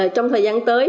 trong thời gian tới